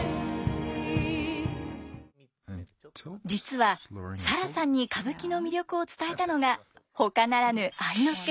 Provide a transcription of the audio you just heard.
実はサラさんに歌舞伎の魅力を伝えたのがほかならぬ愛之助さん。